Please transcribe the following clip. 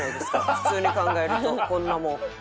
普通に考えるとこんなもん。